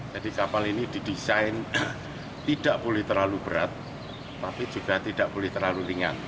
jadi kapal ini didesain tidak boleh terlalu berat tapi juga tidak boleh terlalu ringan